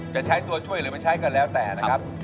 จะใช้ตัวช่วยหรือไม่ใช้ก็แล้วแต่นะครับ